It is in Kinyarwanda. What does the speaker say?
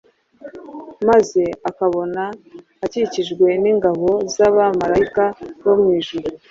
maze akabona akikijwe n’ingabo z’abamarayika bo mu ijuru